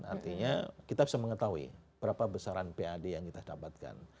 artinya kita bisa mengetahui berapa besaran pad yang kita dapatkan